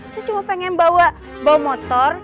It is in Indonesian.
saya cuma pengen bawa bawa motor